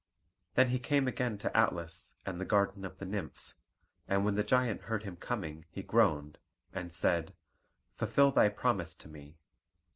Then he came again to Atlas, and the garden of the Nymphs; and when the giant heard him coming he groaned, and said, "Fulfil thy promise to me."